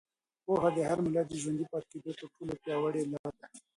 پوهه د هر ملت د ژوندي پاتې کېدو تر ټولو پیاوړې لاره ده.